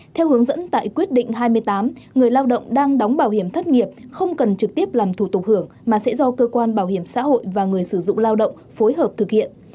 theo hướng dẫn tại quyết định hai mươi tám người lao động đang đóng bảo hiểm thất nghiệp không cần trực tiếp làm thủ tục hưởng mà sẽ do cơ quan bảo hiểm xã hội và người sử dụng lao động phối hợp thực hiện